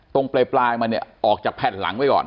ตรงปลายมาเนี่ยออกจากแผ่นหลังไว้ก่อน